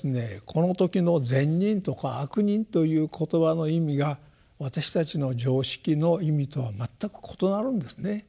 この時の「善人」とか「悪人」という言葉の意味が私たちの常識の意味とは全く異なるんですね。